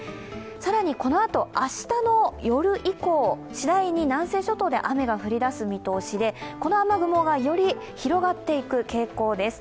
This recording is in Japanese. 更にこのあと、明日の夜以降、次第に南西諸島で雨が降り出す見通しで、この雨雲がより広がっていく傾向です。